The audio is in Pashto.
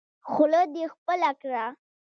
خوله دې خپله کړه.